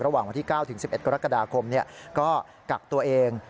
ระหว่างวันที่๙๑๑กรกฎาคมก็กลับตัวเอง